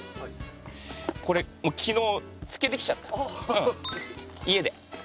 これもう昨日漬けてきちゃった家で。